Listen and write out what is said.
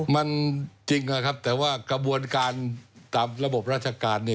มันจริงนะครับแต่ว่ากระบวนการตามระบบราชการเนี่ย